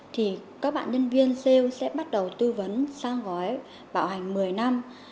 thì các bạn nhân viên sale sẽ bắt đầu tư vấn sang gói bảo hành một mươi năm